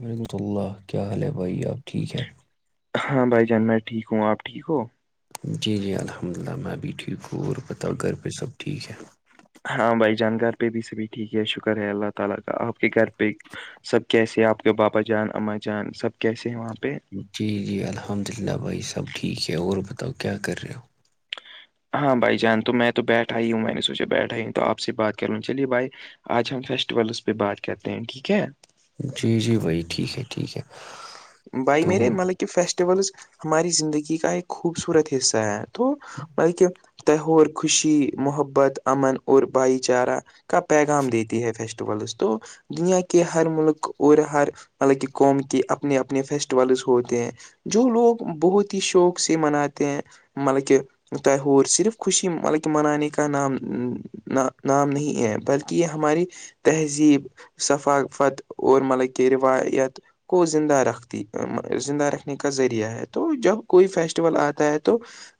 وعلیکمۃ اللہ کیا حال ہے بھائی آپ ٹھیک ہے ہاں بھائی جان میں ٹھیک ہوں آپ ٹھیک ہو جی جی الحمد للہ میں ابھی ٹھیک ہوں اور بتاؤ گھر پہ سب ٹھیک ہے ہاں بھائی جان گار پہ بھی سبھی ٹھیک ہے شکر ہے اللہ تعالی کا آپ کے گھر پہ سب کیسے ہیں آپ کے بابا جان اما جان سب کیسے ہیں وہاں پہ جی جی الحمد للہ بھائی سب ٹھیک ہے اور بتاؤ کیا کر رہے ہو ہاں بھائی جان تو میں تو بیٹھا ہی ہوں میں نے سوچا بیٹھا ہی ہوں تو آپ سے بات کر لوں چلیے بھائی آج ہم فیسٹیولس پہ بات کرتے ہیں ٹھیک ہے جی جی وہی ٹھیک ہے ٹھیک ہے بھائی تو میرے مطلب کہ فیسٹیولز ہماری زندگی کا ایک خوبصورت حصہ ہے تو مطل کہ تہہور خوشی محبت امن اور بھائی چارہ کا پیغام دیتی ہے فیسٹیولز تو دنیا کے ہر ملک اور ہر مطلب کی قوم کے اپنے اپنے فیسٹیولز ہوتے ہیں جو لوگ بہت ہی شوق سے مناتے ہیں مطلب کہ تو ہوور صرف خوشی مطلب کہ منانے کا نام نا نام نہیں ہے بلکہ یہ ہماری تہذیب صفافت اور مطلب کہ روایت کو زندہ رکھتی زندہ رکھنے کا ذریعہ ہے تو جب کوئی فیسٹیول آتا ہے تو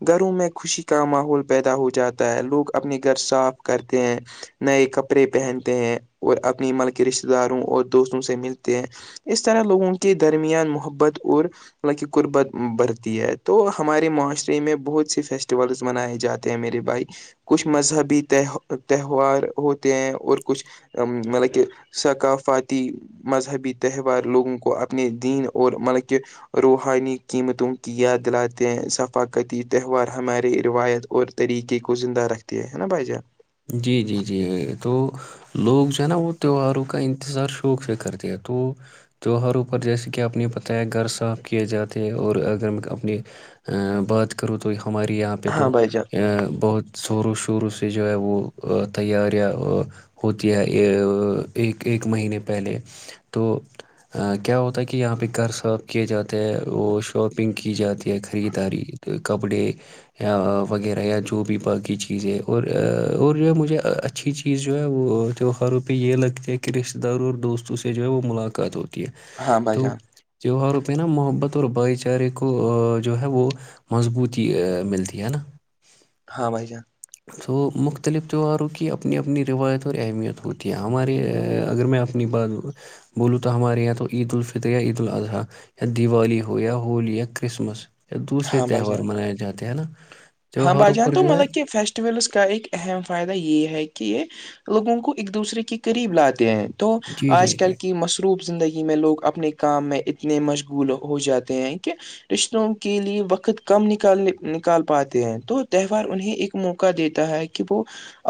گھروں میں خوشی کا ماحول پیدا ہو جاتا ہے لوگ اپنے گھر صاف کرتے ہیں نئے کپڑے پہنتے ہیں اور اپنی مل کے رشتتے داروں اور دوستوں سے ملتے ہیں اس طرح لوگوں کے درمیان محبت اور حک قربت برھتی ہے تو ہمارے معاشرے میں بہت سی فیسٹیولس منائے جاتے میرے بھائی کچھ مذہبی تہوار ہوتے ہیں اور کچھ ا مطلب کہ ثقافاتی مذہبی تہوار لوگوں کو اپنے دین اور مطلب کہ روحانی قیمتوں کی یادلاتیں ثقافتی تہوار ہمارے روایت اور طریقے کو زندہ رکھتی ہے نا بھائی جان جی جی جی تو لوگ جو ہے نا وہ تہواروں کا انتظار شوق سے کرتے ہیں تو تہوہار اوپر جیسے کہ آپ نے پتہ ہے گھر صاف کیے جاتے ہیں اور اگر میں اپنی بات کروں تو ہمارے یہاں پہ ہاں تو بھائی جان بہت زور و شوروں سے جو ہے وہ تیاریاں ہوتی ہے ایک ایک مہینے پہلے تو کیا ہوتا ہے کہ یہاں پہ گھر صاپ کیے جاتے ہیں وہ شاپنگ کی جاتی ہے خریداری کپڑے یا وغیرہ یا جو بھی باقی چیزیں اور اور جو ہے مجھے اچھی چیز جو ہے وہ تیوہاروں پہ یہ لگتی ہے کہ رشتتے داروں اور دوستوں سے جو ہے وہ ملاقات ہوتی ہے ہاں بھائی تو جان تیوہار پینا محبت اور بھائی چارے کو جو ہے وہ مضبوطی ملتی ہے نا ہاں بھائی جان تو مختلف تہوہاروں کی اپنی اپنی روایت اور اہمیت ہوتی ہے ہمارے اگر میں اپ اپنی بات بولو تو ہمارے یہاں تو عید الفطر یا عید الاضحی یا دیوالی ہو یا ہولی یا کرسمس یا دوسرے ہاں بھائی جان تہوار منائے جاتے ہیں نا ہاں بھائی تہوہاروں جان پر تو جو ہے مطلب فی فیسٹیول کا ایک اہم فائدہ یہ ہے کہ یہ لوگوں کو ایک دوسرے کے قریب لاتے ہیں تو جی جی آج کل جی کی مص روف زندگی میں لوگ اپنے کام میں اتنے مشغول ہو جاتے ہیں کہ رشتوں کے لیے وقت کم نکالنے نکال پاتے ہیں تو تہوار انہیں ایک موقع دیتا ہے کہ وہ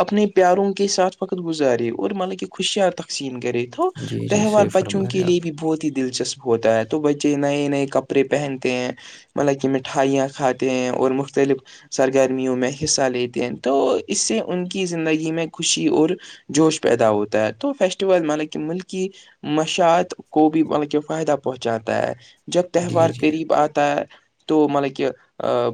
اپنے پیاروں کے ساتھ وقت گزارے اور مطلب کہ خوشیاں تقسیم کرے ہو جی جی تہوار صحیح بچوں فرما کے رہے لیے آپ بھی بہت ہی دلچسپ ہوتا ہے تو بچے نئے نئے کپڑے پہنتے ہیں مطلب کہ مٹھائیاں کھاتے ہیں اور مختلف سرگرمیوں میں حصہ لیتے ہیں تو اس سے ان کی زندگی میں خوشی اور جوش پیدا ہوتا ہے تو فیسٹیول ملب کہ ملکی مشاعت کو بھی بطل کہ فائدہ پہنچاتا ہے جب جی تہوار جی قریب آتا ہے تو مطلب کہ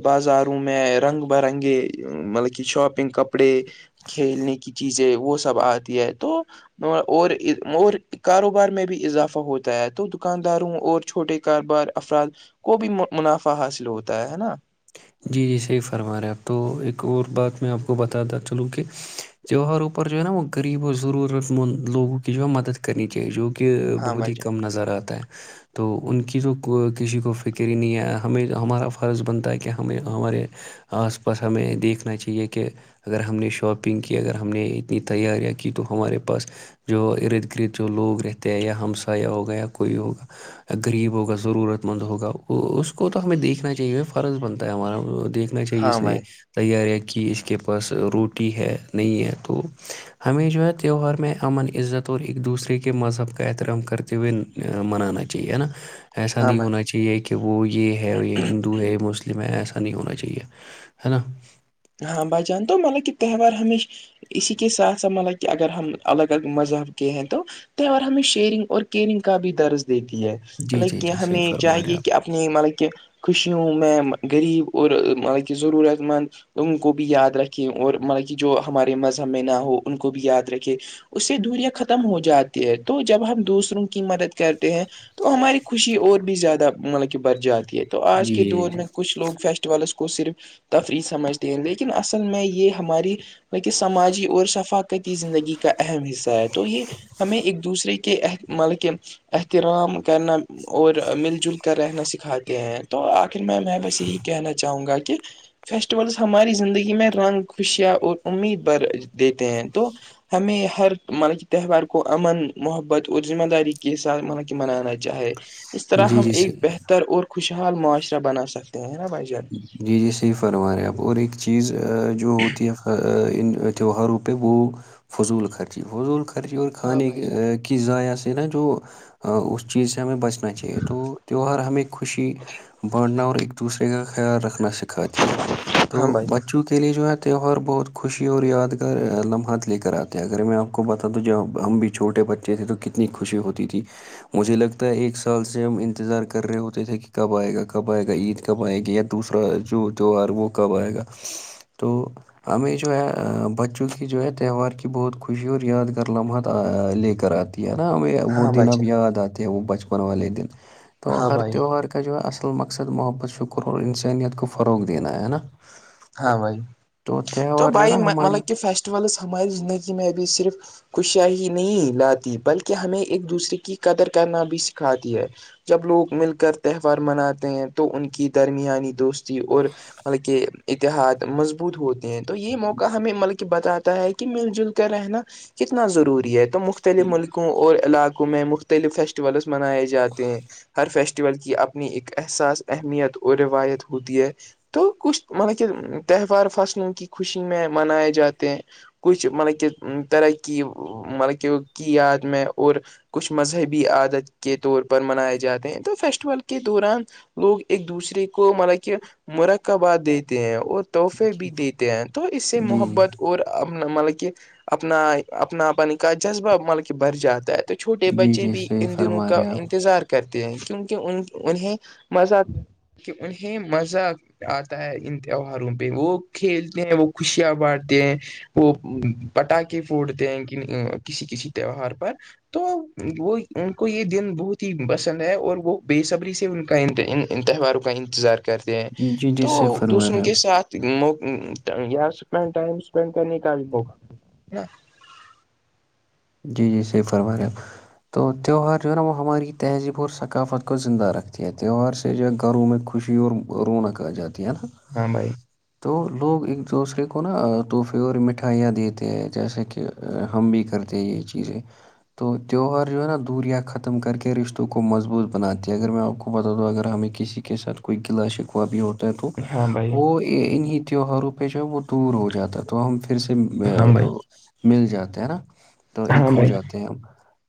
بازاروں میں [unintelligible] میں رنگ برنگے مطلب کہ شاپنگ کپڑے [unintelligible] کھیلنے کی چیزیں وہ سب آتی ہے تو اور اور کاروبار میں بھی اضافہ ہوتا ہے تو دکانداروں اور چھوٹے کاروبار افراد کو بھی منافع حاصل ہوتا ہے نا جی جی صحیح فرما رہے اپ تو ایک اور بات میں آپ کو بتا دا چلوں کہ تیوہاروں پر جو ہے نا وہ غریب اور ضرورت مند لوگوں کی جو ہے مدد کرنی چاہیے جو کہ ہاں بہت بھائی ہی جان کم نظر آتا ہے تو ان کی تو کسی کو فکری ہی نہیں ہے ہمیں ہمارا فرض بنتا ہے کہ ہمیں ہمارے آس پاس ہمیں دیکھنا چاہیے کہ اگر ہم نے شاپنگ کی اگر ہم نے اتنی تیاریاں کی تو ہمارے پاس جو ارد گرد جو لوگ رہتے ہیں یا ہمسایہ ہوگا یا کوئی ہوگا غریب ہوگا ضرورت مند ہوگا وہ اس کو تو ہمیں دیکھنا چاہیے فرض بند ہمارا دیکھنا چاہیے ہاں اس لیے بھائی تیاریاں کی اس کے پاس روٹی ہے نہیں ہے تو ہمیں جو ہے تہوار میں امن عزت اور ایک دوسرے کے مذہب کا احترام کرتے ہوئے منانا چاہیے ہے نا ایسا ہاں نہیں ہونا بھائی چاہیے کہ وہ یہ ہے یہ ہندو ہے مسلم میں ایسا نہیں ہونا چاہیے ہے نا ہاں ب جان تو مطلب کہ تہوار ہمیشہ اسی کے ساتھ ساتھ مطلب کہ اگر ہم الگ ال مذہب کے ہیں تو تہوار ہمیں شیئرنگ اور کیئرنگ کا بھی درز دیتی ہے جی لائک جی کہ جی صحیح ہمیں فرما رہے ہیں چاہیے کہ ا اپتنی مطلب کہ خوشیوں میں غریب اور مطلب کہ ضرورت مند ان کو بھی یاد رکھیں اور مطلب کہ جو ہمارے مذہب میں نہ ہو ان کو بھی یاد رکھے اس سے دوریاں ختم ہو جاتی ہے تو جب ہم دوسروں کی مدد کرتے ہیں تو ہماری خوشی اور بھی زیادہ مطلب کہ بچ جاتی ہے تو آپ آج جی کے دور جی میں کچھ لوگ فیسٹ کو صرف تفریح سمجھتے ہیں لیکن اصل میں یہ ہماری بکہ سماجی اور ثقاقتی زندگی کا اہم حصہ ہے تو یہ ہمیں ایک دوسرے کہ مطلب کہ احترام کرنا اور مل جل کر رہنا سکھاتے ہیں تو آخر میں میں بس یہی کہنا چاہوں گا کہ فیسٹیولس ہماری زندگی میں رنگ خوشیاں اور امید بھر دیتے ہیں تو ہمیں ہر مطلب کی تہوار کو امن محبت اور ذمہ داری کے ساتھ مطلب کہ منانا جاہے اس طرح جی ہم جی ایک صحیح بہتر اور خوشحال معاشرہ بنا سکتے ہیں نا بھائی جان جی جی صحیح فرما رہے ہیں آپ اور ایک چیز جو ہوتی ہے ان تہوہاروں پہ وہ فضول خرچی فضول خرچی اور ہاں کھانے بھائی جان کی ذضائع سے نا جو چیز سے ہمیں بچنا چاہیے تو تیوہار ہمیں خوشی بانٹنا اور ایک دوسرے کا خیال رکھنا سکھا دیا تو ہاں بھائی جان بچوں کے اسی لیے جو ہے تہوار بہت خوشی اور یادگار لمحات لے کر آتے ہیں اگر میں آپ کو بتادوں جو ہم بھی چھوٹے بچے تھے تو کتنی خوشی ہوتی تھی مجھے لگتا ہے ایک سال سے ہم انتظار کر رہے ہوتے تھے کہ کب آئے گا کب آئے گا عید کب آئے گی یا دوسرا جو جو وہ کب آئے گا تو ہمیں جو ہیں بچوں کی جو ہے تہوار کی بہت خوشی اور یادگار لمحات لے کر آ کیا نا ہمیں وہ ہاں دن بھائی اب جان یاد آتے ہے وہ بچپن والے دن تو ہاں ہر بھائی تہوار کا جو ہیں اصل مقصد محبت شکر اور انسانیت کو فروغ دینا ہے نا ہاں بھائی تو تہوار جو ہے بھائی نا ہماری مطلب کہ فیسٹولس ہماری زندگی میں بھیھی صرف خشیا ہی نہیں لاتی بلکہ ہمیں ایک دوسرے کی قدر کرنا بھی سکھاتی ہے جب لوگ مل کر تہوار مناتے ہیں تو ان کی درمیانی دوستی اور مطلب کہ اتحاد مضبوط ہوتے ہیں تو یہ موقع ہمیں مطلب کہ بتاتا ہے کہ مل جل کر رہنا کتنا ضروری ہے تو مختلف ملکوں اور علا کو میں مختلف فیسٹیولس منائے جاتے ہیں ہر فیسٹیول کی آپ اپنی ایک احساس اہمیت اور روایت ہوتی ہے تو کچھ مطب کہ تہوار فصلوں کی خوشی میں منائے جاتے ہیں کچھ مطلب کہ طرح کی مطلب کہ کی یاد میں اور کچھ مذہبی عادت کے طور پر منائے جاتے ہیں تو فیسٹول کے دوران لوگ ایک دوسرے کو مل کہ مرک کا باد دے تیں ہیں اور تحفے بھی جی دیتے ہیں تو اس سے جی محبت اور اپنا مطلب کہ اپنا اپنا پن کا جذبہ مطلب کہ بھر جاتا ہے تو چھوٹے جی بچے جی بھی صحیح ان دنوں فرما کا رہے ہیں آپ انتظار کرتے ہیں کیونکہ ان انہیں مزہ کہ انہیں مزہ آتا ہے ان تیوہاروں پہ وہ کھیلتے ہیں وہ خوشیاں بنٹتے ہیں وہ پٹاخے پھوڑتے ہیں کن کسی کسی تہوار پر تو وہ ان کو یہ دن بہت ہی پسند ہے اور وہ بےصبری سے ان کا انتی ان ان تہواروں کا انتظار کرتے ہیں جی جی تو صحیح فرما رہے ہیں ۔ [unintelligible] مق یا سپینڈ ائم سپینڈ کرنے کا موقع [unintelligible] جی جی صحیح فرمایا تو تہوار جو ہے نا وہ ہماری تہذیب اور ثقافت کو زندہ رکھتی ہے تہوار۔ [unintelligible] گھروں میں خوشی اور رونق آجاتی ہے نا ہاں بھائی تو لوگ ایک دوسرے کو نا تحفے اور مٹھائیاں دیتے ہیں جیسے کہ ہم بھی کر تو یہ چیزے تو تیوہار جو ہے نا دوریا ختم کر کے رشتوں کو مضبوط بناتی ہے اگر میں آپ کو بتا دو اگر ہمیں کسی کے ساتھ کوئی گلا شکوا بھی ہوتا ہے تو ہاں بھائی وہ انہیں تیوہاروں پہ جو وہ دور ہو جاتا ہے تو ہم پھر سے ۔ ہاں بھائی [unintelligible] مل جاتے ہے نا تو ہاں ایک ہو بھائی جاتے ہیں ہم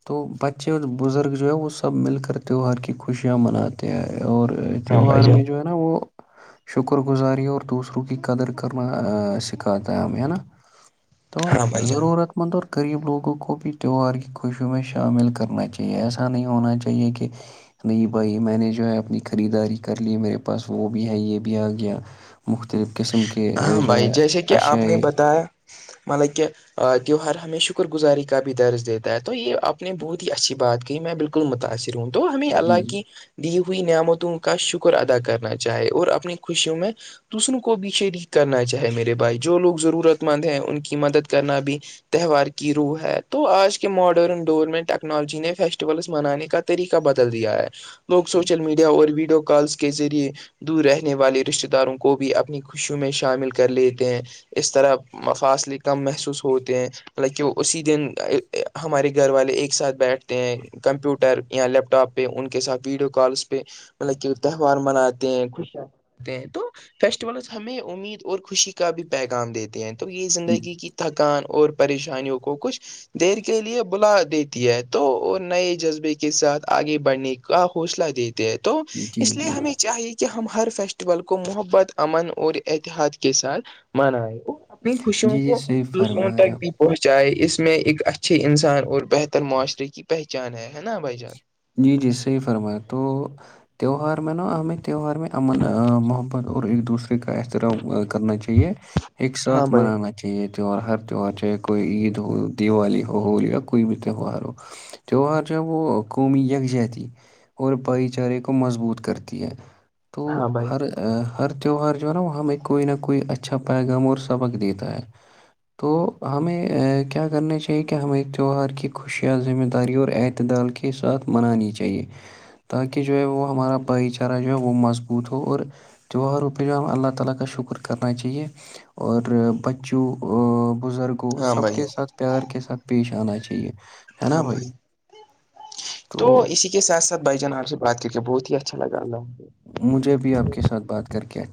تو بچے اور بزرگ جو ہے وہ سب مل کر تہوار کی خوشیاں منا تیں ہے اور ہاں بھائی تیوہار جان میں جو ہے نا وہ شکر گزاری اور دوسروں کی قدر کرنا سکھاتا ہے ہمیں ہے نا تو ہاں بھائی جان ضرورت مند اور غریب لوگ گوں کو بھی تیوار کی خوشیوں میں شامل کرنا چاہیے ایسا نہیں ہونا چاہیے کہ نہیں بھائی میں نے جو ہے اپنی خریداری کر لی میرے پاس وہ بھی ہے یہ بھی آ گیا مختلف قسم کے ہاں یی جو بھائی ہے جیسے کہ آپ نے اشایئی بتایا مطلب کہ تہوہار ہمیں شکر گزاری کا بھی درج دیتا ہے تو یہ آپ نے بہت ہی اچھی بات کہ میں بالکل متاثر ہوں تو ہمیں اللہ جی جی کی دی ہوئی نعمتوں کا شکر ادا کرنا چاہے اور اپنی خوشیوں میں دوسروں کو بھی شری کرنا چاہے میرے بھائی جو لوگ ضرورت مند ہیں ان کی مدد کرنا بھی تہوار کی روح ہے تو آج کے ماڈرن دور میں ٹیکنالوجی نے فیسٹیولس منانے کا طریقہ بدل دیا ہے لوگ سوشل میڈیا اور ویڈیو کالس کے ذریعے دور رہنے والے رشتتے داروں کو بھی اپنی خوشی میں شامل کر لیتے ہیں اس طرح فاصلے کم محسوس ہوتے ہیں اسی دن ہمارے گھر والے ایک ساتھ بیٹھتے ہیں کمپیوٹر لیپ ٹاپ یا ان کے ساتھ ویڈیو کالز پہ مطلب کہ تہوار مناتے ہیں خوشیاں مناتے ہیں تو فیسٹیول ہمیں امید اور خوشی کا بھی پیغام دیتے ہیں تو یہ زندگی کی تھکان اور پریشانیوں کو کچھ دیر کے لیے بلا دیتی ہے تو نئے جذبے کے ساتھ آگے بڑھنے کا حوصلہ دیتی تو جی اس لیے جی ہمیں چاہیے کہ ہم ہر فیسٹیول کو محبت امن اور احتحاد کے ساتھ منائے وہ اپنی خوشیوں جی جی کو صحیح دوسروں فرما رہے تک آپ بھی پہنچائے اس میں ایک اچھے انسان اور بہتر معاشرے کی پہچان ہے ہے نا بھائی جان جی جی صحیح فرمایں تو تیوہار میں نا ہمیں تہوار میں امن محبت اور ایک دوسرے کا احترام کرنا چاہیے اک ہاں ساتھ بھائی منانت چاہ یہ تیوار ہر تہوار چاہے کوئی عید ہو دیوالی ہو ہولی یا کوئی بھی تیوار ہو تیوار جب وہ قومی یکجہتی اور بھائی چارے کو مضبوط کرتی ہے تو ہاں بھائی ہر ہر تہوار جو ہے نا وہ ہمیں کوئی نہ کوئی اچھا پیغام اور سبق دیتا ہے تو ہمیں کیا کرنا چاہیے کہ ہمیں ایک تیوار کی خوشیاں ذمہ داری اور اعتدال کی کے ساتھ منانی چاہیے تاکہ جو ہے وہ ہمارا بھائی چارہ جو ہے وہ مضبوط ہو اور اللہ تعالی کا شکر کرنا چاہیے اور بچوں بزرگ کو ہاں سب بھائی کے ساتھ پیار کے ساتھ پیش آنا چاہیے ہے نا ہاں بھائی تو اسی کے ساتھ ساتھ بھ جان آپ سے بات کیک بہت ہی اچھا لگا اللہھ مجھے بھی آپ کے ساتھ بات کر کے اچھا